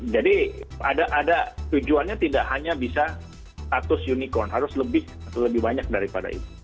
jadi ada tujuannya tidak hanya bisa status unicorn harus lebih banyak daripada itu